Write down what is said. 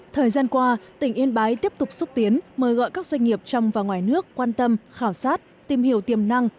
thời gian qua tỉnh yên bái tiếp tục xúc tiến mời gọi các doanh nghiệp trong và ngoài nước quan tâm khảo sát tìm hiểu tiềm năng